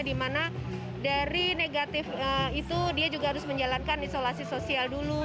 dimana dari negatif itu dia juga harus menjalankan isolasi sosial dulu